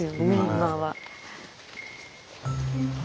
今は。